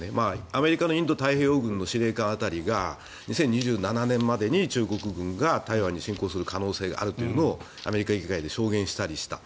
アメリカのインド太平洋軍の司令官辺りが２０２７年までに中国軍が台湾に進行する可能性があるというのをアメリカ議会で証言したりした。